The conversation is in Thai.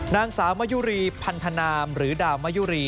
นางสาวมะยุรีพันธนามหรือดาวมะยุรี